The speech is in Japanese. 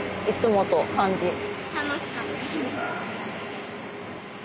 いつもと感じ」